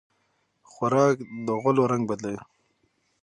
خوراک د غولو رنګ بدلوي.